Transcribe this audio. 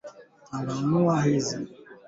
changanya mchanganyiko wa nyanya